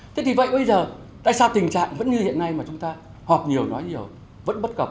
thế thì vậy bây giờ tại sao tình trạng vẫn như hiện nay mà chúng ta họp nhiều nói nhiều vẫn bất cập